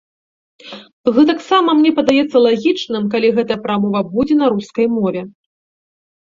Гэтак сама мне падаецца лагічным, калі гэтая прамова будзе на рускай мове.